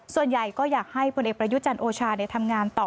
ส่วนใหญ่ก็อยากให้พลเอกประยุจันทร์โอชาทำงานต่อ